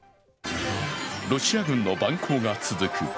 ロシア軍の蛮行が続く